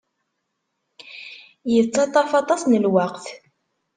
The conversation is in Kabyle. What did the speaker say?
Yettaṭṭaf aṭas n lweqt.